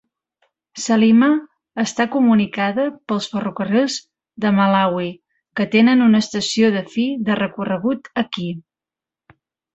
Salima està comunicada pels Ferrocarrils de Malawi que tenen una estació de fi de recorregut aquí.